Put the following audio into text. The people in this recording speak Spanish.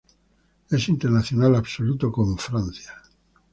Es internacional absoluto con Francia.